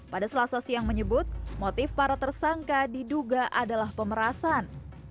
pada selasa siang menyebut motif para tersangka diduga adalah pemerasan